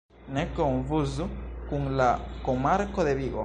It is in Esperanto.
Ne konfuzu kun la komarko de Vigo.